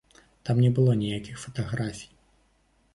Там не было ніякіх фатаграфій.